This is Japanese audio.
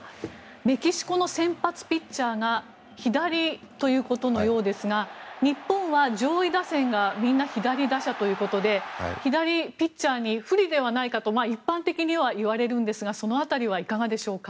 メキシコの先発ピッチャーが左のようですが日本は上位打線がみんな左打者ということで左ピッチャーに不利ではないかと一般的には言われるんですがその辺りはいかがでしょうか？